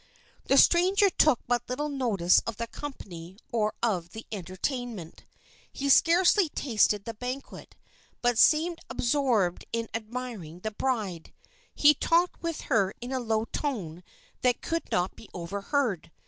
The stranger took but little notice of the company or of the entertainment. He scarcely tasted the banquet, but seemed absorbed in admiring the bride. He talked with her in a low tone that could not be overheard.